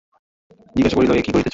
জিজ্ঞাসা করিল, এ কী করিতেছ?